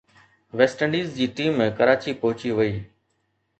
west Indies جي team Karachi پهچي وئي